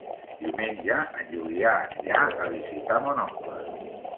Diumenge en Julià anirà a visitar mon oncle.